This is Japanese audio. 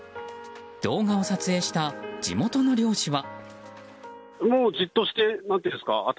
動画を撮影した地元の猟師は。